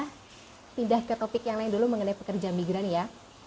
kita pindah ke topik yang lain dulu mengenai pekerja migran ya